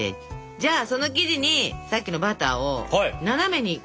じゃあその生地にさっきのバターを斜めに。